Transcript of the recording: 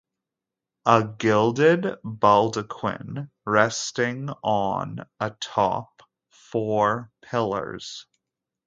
A gilded baldaquin resting on atop four pillars.